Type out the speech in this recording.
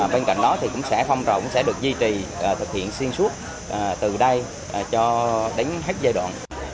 bên cạnh đó thì phong trào cũng sẽ được duy trì thực hiện xuyên suốt từ đây cho đến hết giai đoạn